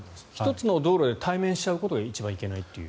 １つの道路で対面しちゃうことが一番いけないという。